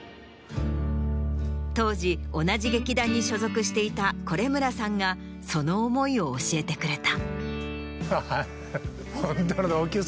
当時同じ劇団に所属していた惟村さんがその思いを教えてくれた。